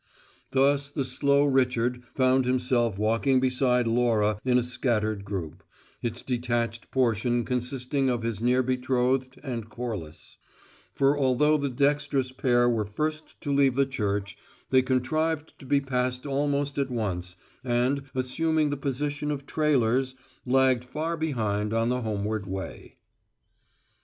Thus the slow Richard found himself walking beside Laura in a scattered group, its detached portion consisting of his near betrothed and Corliss; for although the dexterous pair were first to leave the church, they contrived to be passed almost at once, and, assuming the position of trailers, lagged far behind on the homeward way.